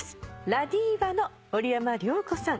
ＬＡＤＩＶＡの森山良子さん